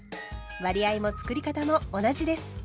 割合もつくり方も同じです。